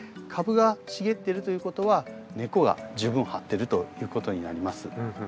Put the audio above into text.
株が茂ってるということは根っこが十分張ってるということになります。